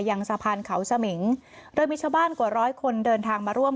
ยังสะพานเขาสมิงโดยมีชาวบ้านกว่าร้อยคนเดินทางมาร่วม